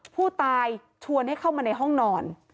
ผู้ตายชวนให้เข้ามาในห้องนอน